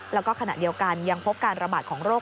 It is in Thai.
แล้วก็ขณะเดียวกันยังพบการระบาดของโรค